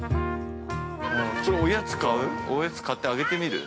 ◆ちょっと、おやつ買ってあげてみる？